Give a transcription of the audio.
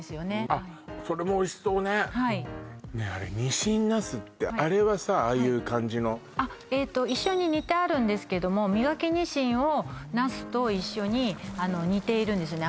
あっそれもおいしそうねはいねえあれにしんなすってあれはさああいう感じのあっえと一緒に煮てあるんですけども身欠きにしんをナスと一緒にあの煮ているんですね